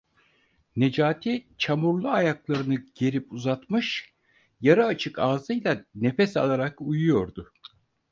Necati çamurlu ayaklarını gerip uzatmış, yarı açık ağzıyla nefes alarak uyuyordu.